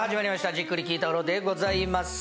「じっくり聞いタロウ」でございます。